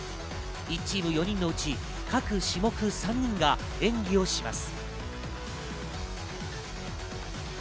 １チーム４人のうち、各種目３人が演技をします。